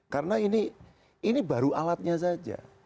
karena ini baru alatnya saja